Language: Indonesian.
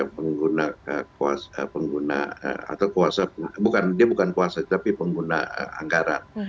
pengguna atau kuasa bukan dia bukan kuasa tapi pengguna anggaran